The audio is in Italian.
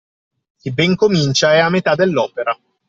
Chi ben comincia è alla metà dell'opera.